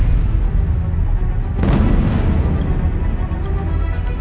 setelah raja coba bertemu dengan si dewa